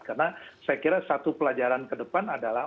karena saya kira satu pelajaran ke depan adalah